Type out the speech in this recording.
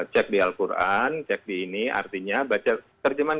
cek di al quran cek di ini artinya baca terjemahan